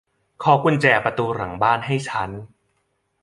ขอกุญแจประตูหลังบ้านให้ฉัน